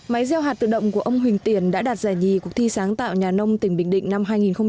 máy gieo hạt tự động của ông huỳnh tiền đã đạt giải nhì cuộc thi sáng tạo nhà nông tỉnh bình định năm hai nghìn một mươi tám